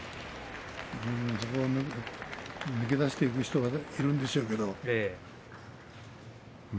そこを抜け出していく人がいるんでしょうけれど。